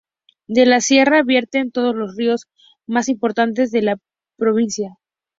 De la Sierra vierten todos los ríos más importantes de la provincia.